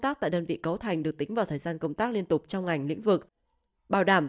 tác tại đơn vị cấu thành được tính vào thời gian công tác liên tục trong ngành lĩnh vực bảo đảm